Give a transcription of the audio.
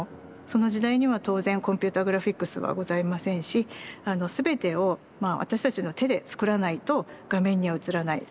その時代には当然コンピューターグラフィックスはございませんし全てを私たちの手で作らないと画面には映らない。